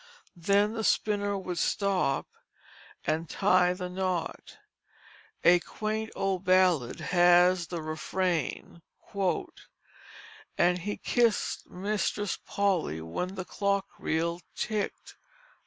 Then the spinner would stop and tie the knot. A quaint old ballad has the refrain: "And he kissed Mistress Polly when the clock reel ticked."